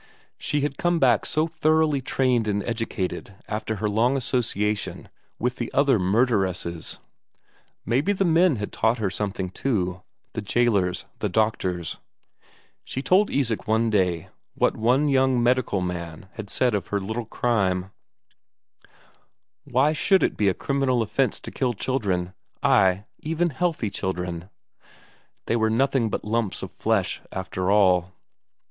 She had come back so thoroughly trained and educated after her long association with the other murderesses; maybe the men had taught her something too the gaolers, the doctors. She told Isak one day what one young medical man had said of her little crime: "Why should it be a criminal offence to kill children ay, even healthy children? They were nothing but lumps of flesh after all."